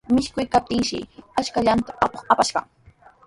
Michikuykaptinshi ashkallanta atuq apaskirqan.